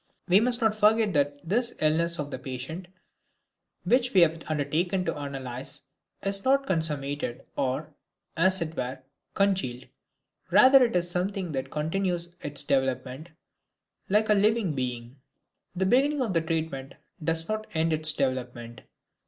We must not forget that this illness of the patient which we have undertaken to analyze is not consummated or, as it were, congealed; rather it is something that continues its development like a living being. The beginning of the treatment does not end this development.